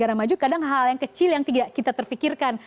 karena maju kadang hal yang kecil yang tidak kita terfikirkan